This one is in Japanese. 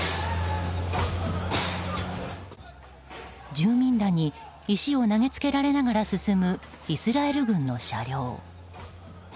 住民らに石を投げつけられながら進むイスラエル軍の車両。